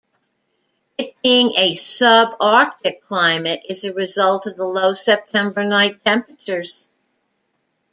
It being a subarctic climate is a result of the low September night temperatures.